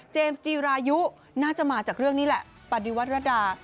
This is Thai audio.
เจมส์จีรายุน่าจะมาจากเรื่องนี้แหละปฎิวัตรรดา